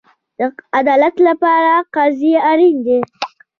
د عدالت لپاره قاضي اړین دی